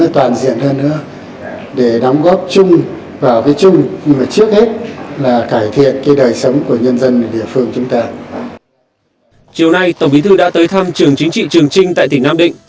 tổng bí thư đã tới thăm trường chính trị trường trinh tại tỉnh nam định